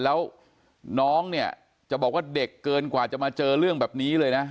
แล้วน้องเนี่ยจะบอกว่าเด็กเกินกว่าจะมาเจอเรื่องแบบนี้เลยนะ